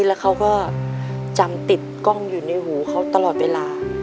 แล้วเขาก็จำติดกล้องอยู่ในหูเขาตลอดเวลา